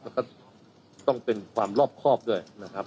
แล้วก็ต้องเป็นความรอบครอบด้วยนะครับ